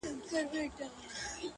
سر ته ځاي دي پر بالښت د زنګون غواړم،